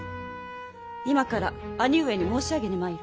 今から兄上に申し上げに参る。